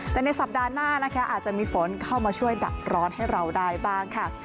แต่ในสัปดาห์หน้านะคะอาจจะมีฝนเข้ามาช่วยดับร้อนให้เราได้บ้างค่ะ